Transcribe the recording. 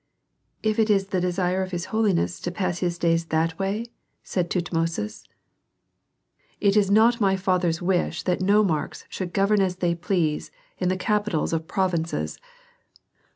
"If it is the desire of his holiness to pass his days that way?" said Tutmosis. "It is not my father's wish that nomarchs should govern as they please in the capitals of provinces.